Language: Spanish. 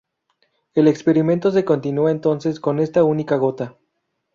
El experimento se continúa entonces con esta única gota.